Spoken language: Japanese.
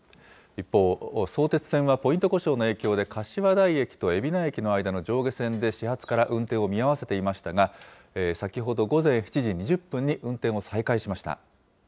一方、相鉄線はポイント故障の影響で、かしわだい駅と海老名駅の間の上下線で、始発から運転を見合わせていましたが、先ほど午前７時２０分に運転を再開しました。